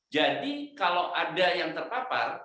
jadi kalau ada yang terpapar